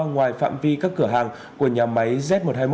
ngoài phạm vi các cửa hàng của nhà máy z một trăm hai mươi một